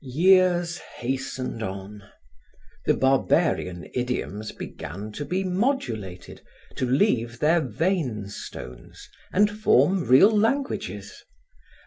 Years hastened on. The Barbarian idioms began to be modulated, to leave their vein stones and form real languages.